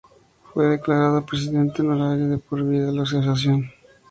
Fue declarado presidente honorario de por vida de la asociación.